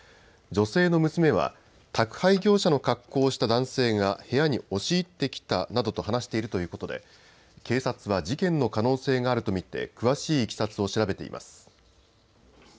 女性の娘は宅配業者の格好をした男性が部屋に押し入ってきたなどと話しているということで警察は事件の可能性があると見て詳しいいきさつを調べています。